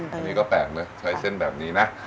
อันนี้ก็แปลกนะใช้เส้นแบบนี้นะ